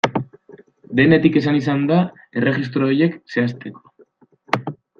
Denetik esan izan da erregistro horiek zehazteko.